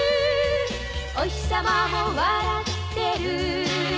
「おひさまも笑ってる」